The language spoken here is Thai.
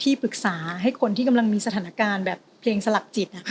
ปรึกษาให้คนที่กำลังมีสถานการณ์แบบเพลงสลักจิต